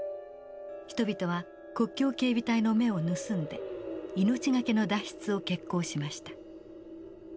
人々は国境警備隊の目を盗んで命懸けの脱出を決行しました。